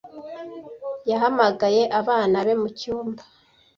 Yahamagaye abana be mu cyumba.